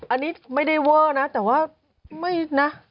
อันนี้ไม่ได้เวอร์นะแต่ว่าไม่นะ